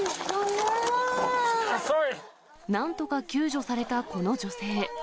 なんとか救助されたこの女性。